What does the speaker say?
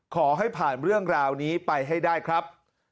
ขอให้ผ่านเรื่องราวนี้ไปให้ได้ครับ